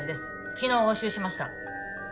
昨日押収しました